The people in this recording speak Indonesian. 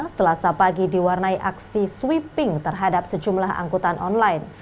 selasa pagi diwarnai aksi sweeping terhadap sejumlah angkutan online